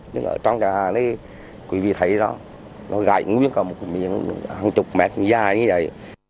nhưng ở trong nhà này quý vị thấy đó nó gãy nguyên cả một miếng hàng chục mét dài như vậy